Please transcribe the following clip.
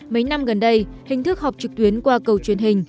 mấy năm gần đây hình thức họp trực tuyến qua cầu truyền hình